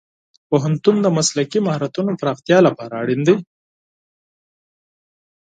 پوهنتون د مسلکي مهارتونو پراختیا لپاره اړین دی.